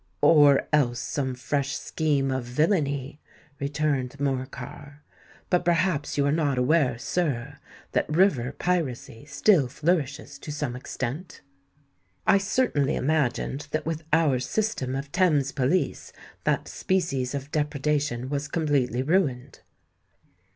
"Or else some fresh scheme of villany," returned Morcar. "But perhaps you are not aware, sir, that river piracy still flourishes to some extent?" "I certainly imagined that with our system of Thames police, that species of depredation was completely ruined."